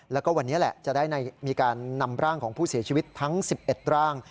แล้วก็วันนี้แหละจะได้มีการนำร่างของผู้เสียชีวิตทั้ง๑๑ร่าง